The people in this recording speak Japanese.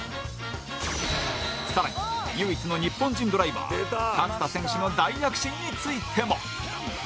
更に、唯一の日本人ドライバー勝田選手の大躍進についても。